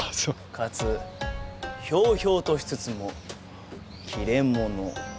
かつひょうひょうとしつつも切れ者。